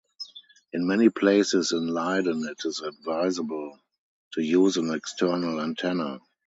In many places in Leiden it is advisable to use an external antenna.